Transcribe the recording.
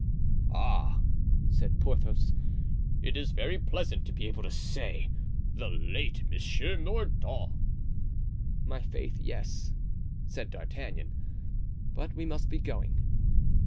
"Ah!" said Porthos, "it is very pleasant to be able to say 'the late Monsieur Mordaunt.'" "My faith, yes," said D'Artagnan. "But we must be going."